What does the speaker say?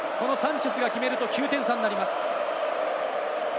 サンチェスが決めると９点差になります。